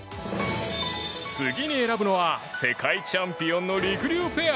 次に選ぶのは世界チャンピオンのりくりゅうペア。